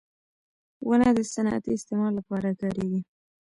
• ونه د صنعتي استعمال لپاره کارېږي.